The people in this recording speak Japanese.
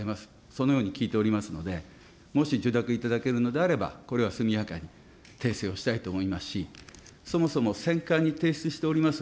そのように聞いておりますので、もし受諾いただけるのであれば、これは速やかに訂正をしたいと思いますし、そもそも選管に提出しております